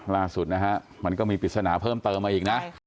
ล่าสุดนะฮะมันก็มีปริศนาเพิ่มเติมมาอีกนะ